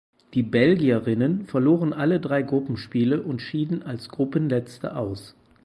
Die Belgierinnen verloren alle drei Gruppenspiele und schieden als Gruppenletzte aus.